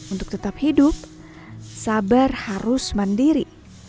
untuk tetap hidup sabar harus mandiri